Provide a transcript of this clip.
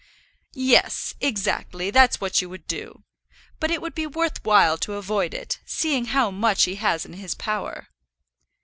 "Yes, exactly; that's what you would do. But it would be worth while to avoid it, seeing how much he has in his power."